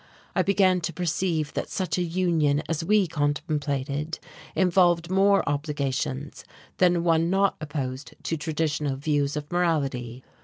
I began to perceive that such a union as we contemplated involved more obligations than one not opposed to traditional views of morality.